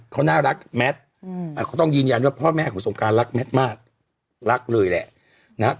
เขาน่ารักแมทเขาต้องยืนยันว่าพ่อแม่ของสงการรักแมทมากรักเลยแหละนะครับ